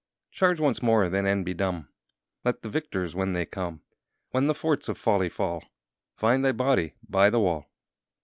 Charge once more, then, and be dumb! Let the victors, when they come, When the forts of folly fall, Find thy body by the wall!